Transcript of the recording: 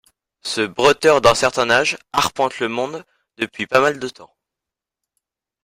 Ce bretteur d'un certain âge arpente le monde depuis pas mal de temps.